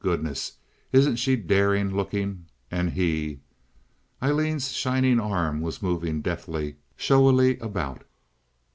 Goodness, isn't she daring looking—and he?" Aileen's shining arm was moving deftly, showily about.